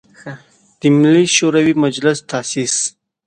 د ملي شوری مجلس تاسیس.